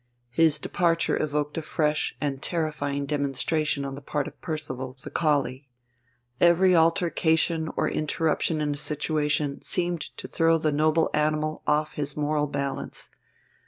His departure evoked a fresh and terrifying demonstration on the part of Percival, the collie. Every alteration or interruption in a situation seemed to throw the noble animal off his moral balance.